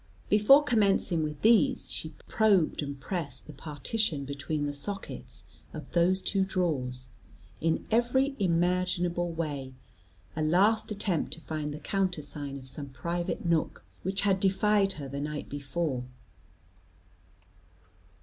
Before commencing with these, she probed and pressed the partition between the sockets of those two drawers, in every imaginable way a last attempt to find the countersign of some private nook, which had defied her the night before.